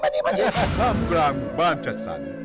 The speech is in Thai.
ข้ามกลางหมู่บ้านจัดสรร